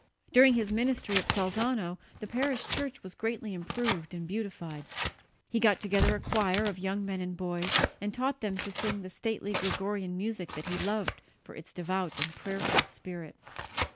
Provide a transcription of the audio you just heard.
During his ministry at Salzano the parish church was greatly improved and beautified. He got together a choir of young men and boys and taught them to sing the stately Gregorian music that he loved for its devout and prayerful spirit.